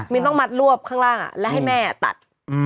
มีนต้องมัดรวบข้างล่างและให้แม่ตัด